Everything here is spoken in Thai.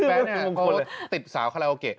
แบทเนี่ยติดสาวคาราโอเกะ